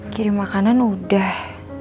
kirim makanan udah